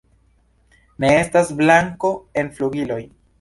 Ne estas blanko en flugiloj.